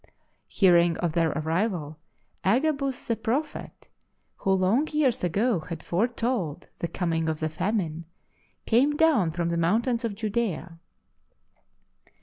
Hearing of their arrival, Agabus the Prophet, who long years ago had foretold the coming of the famine, came down from the mountains of Judea.